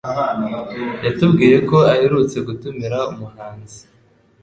yatubwiyeko aherutse gutumira umuhanzi